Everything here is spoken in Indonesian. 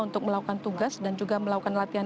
untuk melakukan tugas dan juga melakukan latihan